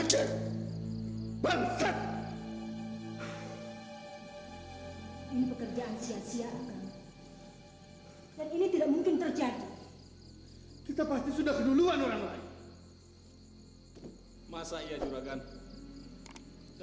sampai jumpa di video selanjutnya